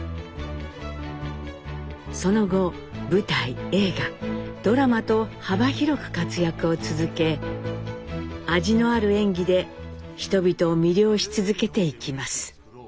その後舞台映画ドラマと幅広く活躍を続け味のある演技で人々を魅了し続けていきます。